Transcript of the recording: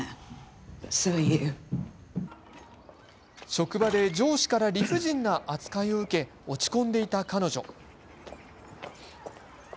職場で上司から理不尽な扱いを受け、落ち込んでいた彼女。